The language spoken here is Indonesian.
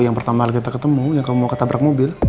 yang pertama kita ketemu yang kamu mau ketabrak mobil